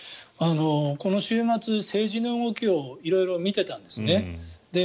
この週末、政治の動きを色々見ていたんです。